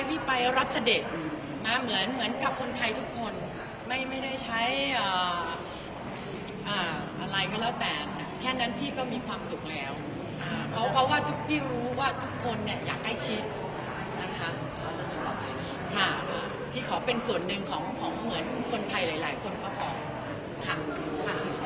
พี่ไปรับเสด็จนะเหมือนเหมือนกับคนไทยทุกคนไม่ไม่ได้ใช้อะไรก็แล้วแต่แค่นั้นพี่ก็มีความสุขแล้วเพราะว่าทุกพี่รู้ว่าทุกคนเนี่ยอยากใกล้ชิดนะคะพี่ขอเป็นส่วนหนึ่งของเหมือนคนไทยหลายหลายคนก็พอค่ะ